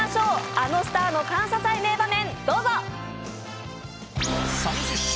あのスターの感謝祭名場面。